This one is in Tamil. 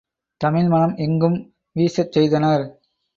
தமிழ் மணம் எங்கும் வீசச் செய்தனர்.